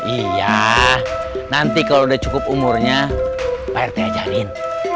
iya nanti kalau udah cukup umurnya pak rt ajarin